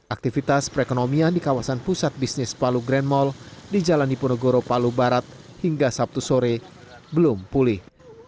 aktivitas perekonomian di kawasan pusat bisnis palu grand mall di jalan diponegoro palu barat hingga sabtu sore belum pulih